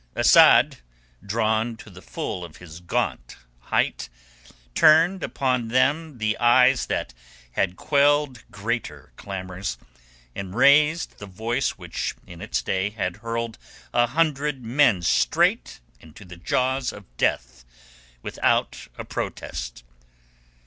Asad, drawn to the full of his gaunt height, turned upon them the eyes that had quelled greater clamours, and raised the voice which in its day had hurled a hundred men straight into the jaws of death without a protest.